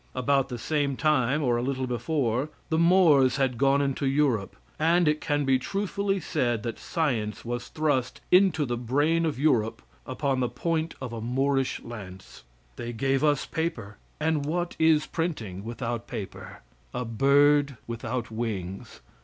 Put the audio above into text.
About the same time, or a little before, the Moors had gone into Europe, and it can be truthfully said that science was thrust into the brain of Europe upon the point of a Moorish lance. They gave us paper, and what is printing without paper? A bird without wings.